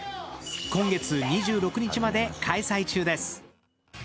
今月２６日まで開催中です。